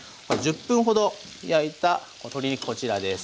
１０分ほど焼いた鶏肉こちらです。